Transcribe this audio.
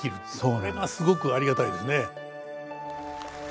これがすごくありがたいですね。